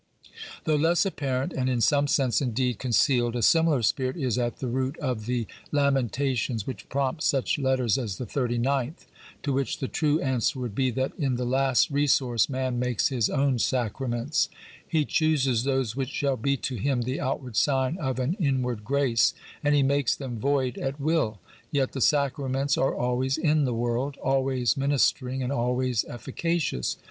Though less apparent and in some sense, indeed, con cealed, a similar spirit is at the root of the lamentations which prompt such letters as the thirty ninth, to which the true answer would be that in the last resource man makes his own sacraments ; he chooses those which shall be to him the outward sign of an inward grace, and he makes them void at will ; yet the sacraments are always in the world, always ministering and always efficacious.